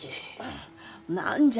ん何じゃ？